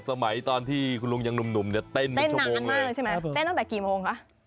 สมัยตอนที่คุณลุงยังหนุ่มเนี่ยเต้น๑ชั่วโมงเลยเต้นตั้งแต่กี่โมงคะ